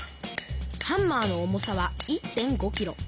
ハンマーの重さは１．５キロ。